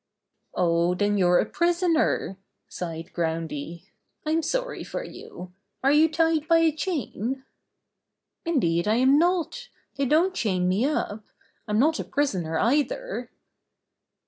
"Oh, then you're a prisoner!" sighed Groundy. "I'm sorry for you. Are you tied by a chain?" "Indeed, I'm not! They don't chain me up. I'm not a prisoner, either."